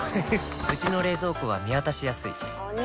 うちの冷蔵庫は見渡しやすいお兄！